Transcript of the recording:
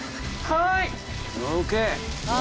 はい。